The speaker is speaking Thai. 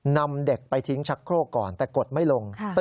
นำเด็กไปทิ้งชักโครกก่อนแต่กดไม่ลง